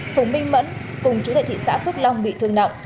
phùng minh mẫn cùng chú tại thị xã phước long bị thương nặng